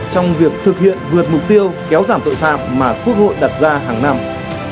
trong việc thực hiện vượt mục tiêu kéo giảm tội phạm mà quốc hội đặt ra hàng năm